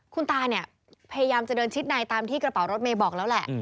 คุณตาเนี่ยพยายามจะเดินชิดในตามที่กระเป๋ารถเมย์บอกแล้วแหละ